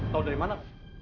kau dari mana